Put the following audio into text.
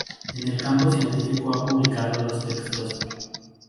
En el campo científico ha publicado los textos